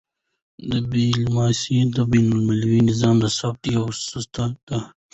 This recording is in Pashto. ډیپلوماسي د بینالمللي نظام د ثبات یوه ستنه ده.